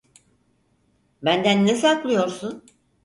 Benden ne saklıyorsun?